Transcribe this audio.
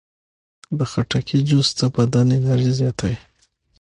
د خټکي جوس د بدن انرژي زیاتوي.